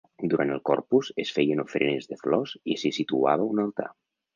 Durant el Corpus es feien ofrenes de flors i s'hi situava un altar.